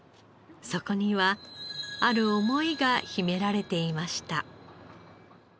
そこにはある思いが秘められていました。